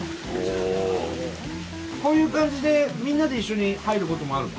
こういう感じでみんなで一緒に入ることもあるの？